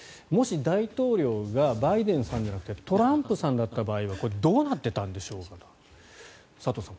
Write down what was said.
もし大統領がバイデンさんじゃなくてトランプさんだった場合はどうなってたんでしょうと。